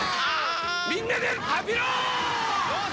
みんなでハピろー！